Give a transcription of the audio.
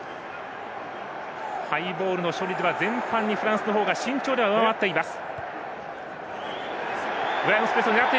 ハイボールの処理ではフランスの方が身長では上回っています。